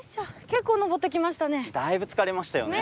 結構登ってきましたね。